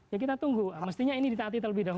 ya kita tunggu mestinya ini ditaati terlebih dahulu